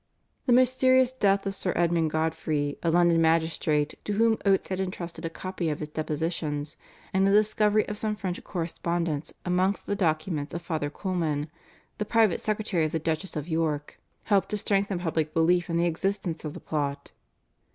The mysterious death of Sir Edmund Godfrey, a London magistrate to whom Oates had entrusted a copy of his depositions, and the discovery of some French correspondence amongst the documents of Father Coleman, the private secretary of the Duchess of York, helped to strengthen public belief in the existence of the plot.